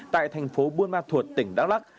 tại thành phố buôn ma thuột tỉnh đắk lắc